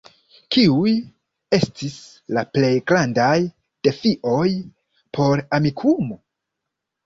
Kiuj estis la plej grandaj defioj por Amikumu?